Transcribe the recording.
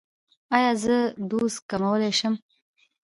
ایا زه دوز کمولی شم؟